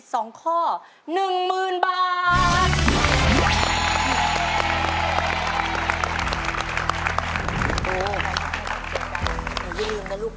ถูก